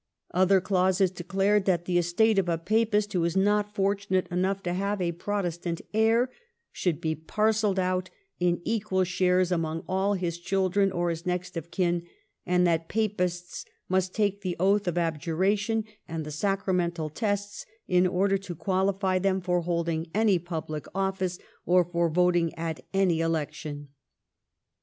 Other clauses declared that the estate of a Papist who was not fortunate enough to have a Protestant heir should be parcelled out in equal shares among all his children or his next of kin, and that Papists must take the oath of abjuration and the sacramental tests in order to qualify them for holding any public office or for voting at any election.